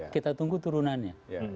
kita tunggu turunannya